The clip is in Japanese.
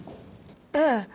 ええ。